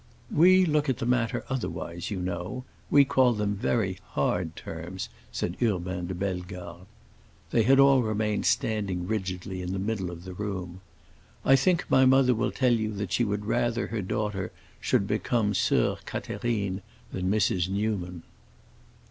"We look at the matter otherwise, you know. We call them very hard terms," said Urbain de Bellegarde. They had all remained standing rigidly in the middle of the room. "I think my mother will tell you that she would rather her daughter should become Sœur Catherine than Mrs. Newman."